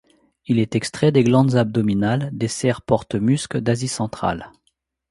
Il est extrait des glandes abdominales des cerfs porte-musc d'Asie centrale.